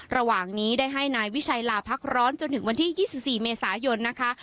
ระหว่างนี้ได้ให้นายวิชัยลาพักร้อนจนถึงวันที่๒๔เมษายนนะคะ